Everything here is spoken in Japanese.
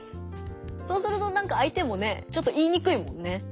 そうするとなんか相手もねちょっと言いにくいもんね。